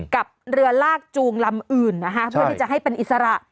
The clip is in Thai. กับเรือลากจูงลำอื่นนะคะเพื่อที่จะให้เป็นอิสระ